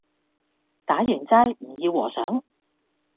打完齋唔要和尚